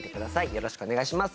よろしくお願いします。